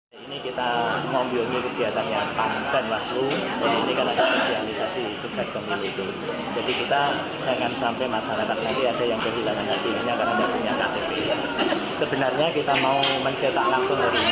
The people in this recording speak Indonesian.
cuman karena jaringannya yang tidak bisa istilahnya tidak nyantol lah